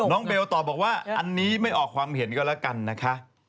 เบลตอบบอกว่าอันนี้ไม่ออกความเห็นก็แล้วกันนะคะ